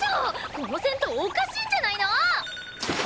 この銭湯おかしいんじゃないの！？